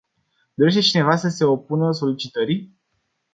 Dorește cineva să se opună solicitării?